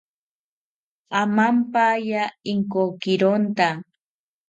Amampaya Inkokironta